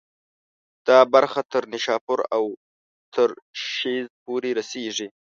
دا برخه تر نیشاپور او ترشیز پورې رسېږي.